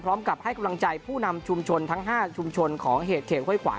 พร้อมกับให้กำลังใจผู้นำชุมชนทั้ง๕ชุมชนของเหตุเขตห้วยขวาน